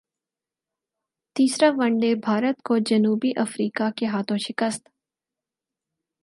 تیسرا one day Bharat کو جنوبی افریقا کے ہاتھوں شکست